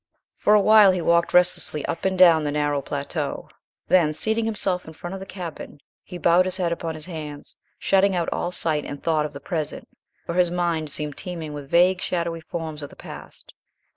For a while he walked restlessly up and down the narrow plateau; then, seating himself in front of the cabin, he bowed his head upon his hands, shutting out all sight and thought of the present, for his mind seemed teeming with vague, shadowy forms of the past.